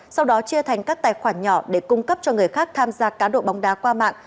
sau đó chia thành các tài khoản nhỏ để cung cấp cho người khác tham gia cá độ bóng đá qua mạng